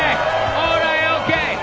オーライＯＫ！